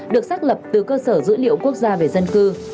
được xác lập từ cơ sở dữ liệu quốc gia về dân cư